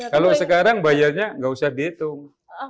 kalau sekarang bayarnya nggak usah dihitung